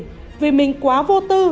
tại mình vì mình quá vô tư